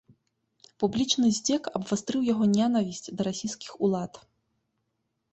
Публічны здзек абвастрыў яго нянавісць да расійскіх улад.